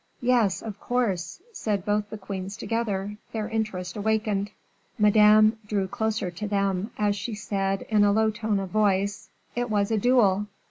"Yes, of course," said both the queens together, their interest awakened. Madame drew closer to them, as she said, in a low tone of voice, "It was a duel."